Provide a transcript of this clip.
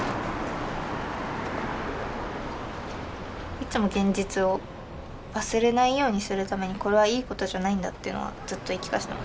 いつも現実を忘れないようにするためにこれはいいことじゃないんだっていうのはずっと言い聞かせてますけど。